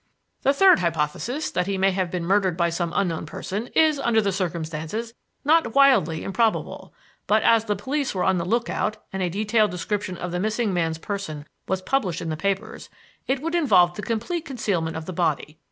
"The third hypothesis, that he may have been murdered by some unknown person, is, under the circumstances, not wildly improbable; but, as the police were on the lookout and a detailed description of the missing man's person was published in the papers, it would involve the complete concealment of the body.